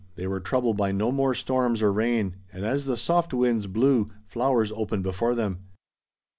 They were troubled by no more storms or rain, and as the soft winds blew, flowers opened before them.